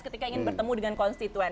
ketika ingin bertemu dengan konstituen